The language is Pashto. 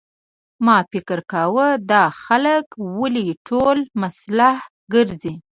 ما فکر کاوه دا خلک ولې ټول مسلح ګرځي.